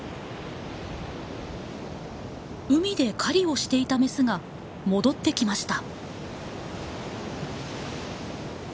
海で狩りをしていたメスが戻ってきました。